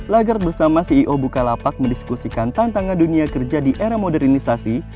lagarde bersama ceo bukalapak mendiskusikan tantangan dunia kerja di era modernisasi